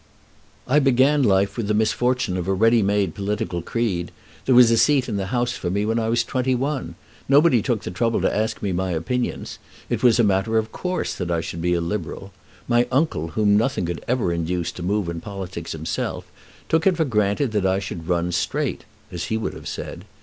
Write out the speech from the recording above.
"I began life with the misfortune of a ready made political creed. There was a seat in the House for me when I was twenty one. Nobody took the trouble to ask me my opinions. It was a matter of course that I should be a Liberal. My uncle, whom nothing could ever induce to move in politics himself, took it for granted that I should run straight, as he would have said.